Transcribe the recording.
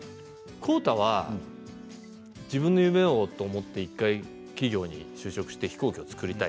浩太は自分の夢を持って企業に就職をして飛行機を作りたい。